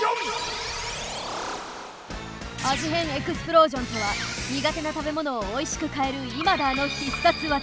「味変エクスプロージョン」とは苦手な食べものをおいしく変えるイマダーの必殺技！